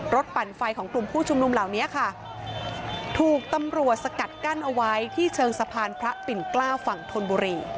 ปั่นไฟของกลุ่มผู้ชุมนุมเหล่านี้ค่ะถูกตำรวจสกัดกั้นเอาไว้ที่เชิงสะพานพระปิ่นเกล้าฝั่งธนบุรี